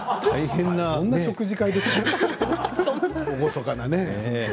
大変な食事会ですね厳かな。